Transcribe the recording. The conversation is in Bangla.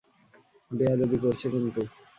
বেয়াদবি করছে কিন্তু।